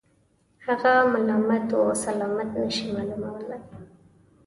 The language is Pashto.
هغه ملامت و سلامت نه شي معلومولای.